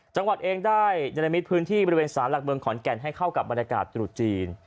จังหวัดเองได้ดรมิตรพื้นที่บริเวณสารหลักเมืองขอนแก่นให้เข้ากับบรรยากาศตรุษจีน